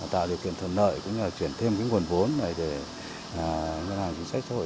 tạo điều kiện thuận lợi chuyển thêm nguồn vốn để ngân hàng chính sách xã hội